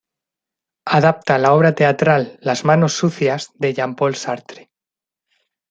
Adapta la obra teatral "Las manos sucias" de Jean Paul Sartre.